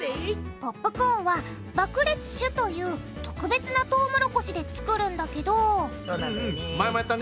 ポップコーンは爆裂種という特別なトウモロコシで作るんだけどそうなんだよね。